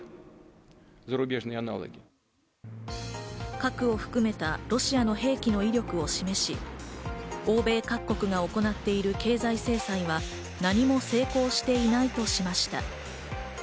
核を含めたロシアの兵器の威力を示し、欧米各国が行っている経済制裁は何も成功していないとしました。